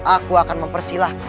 aku akan mempersilahkan